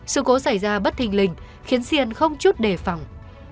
sự cố xảy ra bất thình linh khiến diền không chút đề phòng